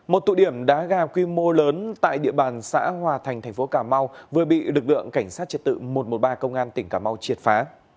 một tụ điểm đá gà quy mô lớn tại địa bàn xã hòa thành thành phố cà mau vừa bị lực lượng cảnh sát trật tự một trăm một mươi ba công an tỉnh cà mau triệt phá